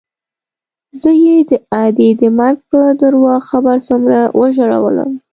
زه يې د ادې د مرګ په درواغ خبر څومره وژړولوم.